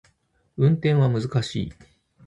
運転は難しい